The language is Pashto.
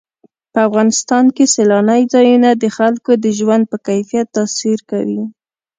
په افغانستان کې سیلانی ځایونه د خلکو د ژوند په کیفیت تاثیر کوي.